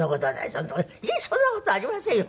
「いえそんな事ありませんよ。